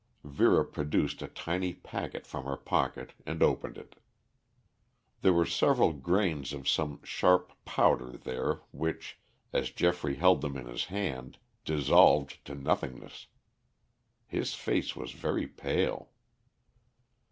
Vera produced a tiny packet from her pocket and opened it. There were several grains of some sharp powder there which, as Geoffrey held them in his hand, dissolved to nothingness. His face was very pale.